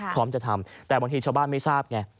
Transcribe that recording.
พร้อมจะทำแต่บางทีชาวบ้านไม่ทราบไง